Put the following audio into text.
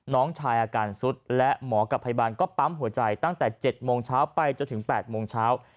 น้องชายอาการสุดและหมอกับพยาบาลก็ปั๊มหัวใจตั้งแต่๗โมงเช้าไปจนถึง๘โมงเช้า